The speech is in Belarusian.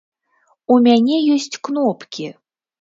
У мяне ёсць кнопкі.